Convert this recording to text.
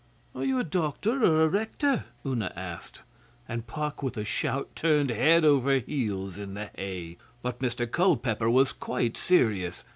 'Are you a doctor or a rector?' Una asked, and Puck with a shout turned head over heels in the hay. But Mr Culpeper was quite serious.